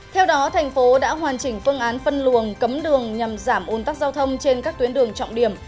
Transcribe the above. theo đó thành phố đã hoàn chỉnh phương án phân luồng cấm đường nhằm giảm ôn tắc giao thông trên các tuyến đường trọng điểm